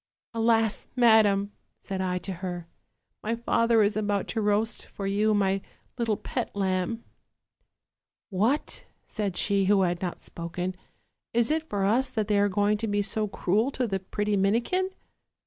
" 'Alas! madam,' said I to her, 'my father is about to roast for you my little pet lamb.' " 'What,' said she who had not spoken, 'is it for us that they are going to be so cruel to the pretty Minikin?'